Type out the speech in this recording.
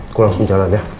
aku langsung jalan ya